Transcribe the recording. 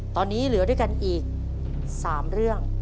ตอนนี้เหลือด้วยกันอีก๓เรื่อง